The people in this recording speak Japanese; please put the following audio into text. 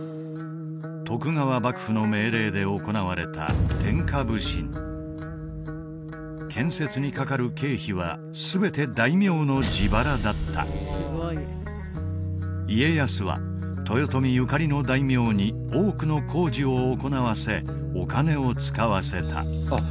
徳川幕府の命令で行われた天下普請建設にかかる経費は全て大名の自腹だった家康は豊臣ゆかりの大名に多くの工事を行わせお金を使わせたあっ